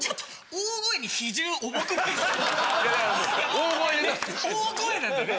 大声なんだね。